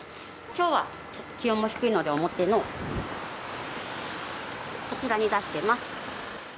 きょうは気温も低いので、表のこちらに出してます。